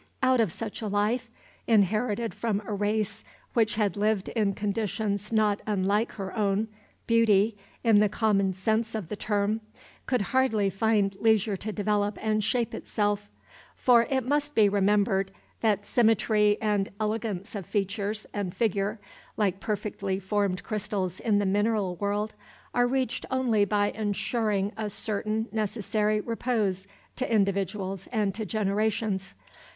Out of such a life, inherited from a race which had lived in conditions not unlike her own, beauty, in the common sense of the term, could hardly find leisure to develop and shape itself. For it must be remembered, that symmetry and elegance of features and figure, like perfectly formed crystals in the mineral world, are reached only by insuring a certain necessary repose to individuals and to generations.